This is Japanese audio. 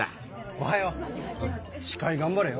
おはよう！司会がんばれよ。